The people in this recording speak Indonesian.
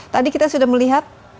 tadi kita sudah melihat